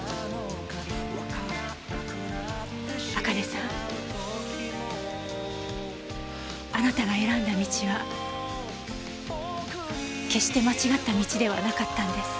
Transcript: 茜さんあなたが選んだ道は決して間違った道ではなかったんです。